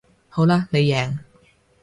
好啦你贏